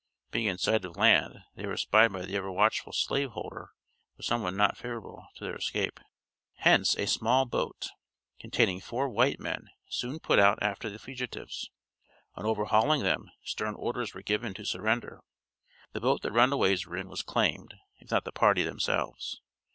Being in sight of land, they were spied by the ever watchful slave holder or some one not favorable to their escape. Hence a small boat, containing four white men, soon put out after the fugitives. On overhauling them, stern orders were given to surrender. The boat the runaways were in was claimed, if not the party themselves.